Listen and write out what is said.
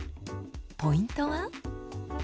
ポイントは？